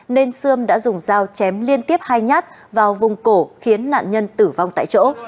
nên sươm đã dùng dao chém liên tiếp hai nhát vào vùng cổ khiến nạn nhân tử vong tại chỗ